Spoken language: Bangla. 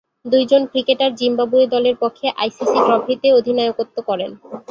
দুইজন ক্রিকেটার জিম্বাবুয়ে দলের পক্ষে আইসিসি ট্রফিতে অধিনায়কত্ব করেন।